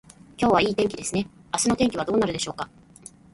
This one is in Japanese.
今日はいい天気ですね。明日の天気はどうなるでしょうか。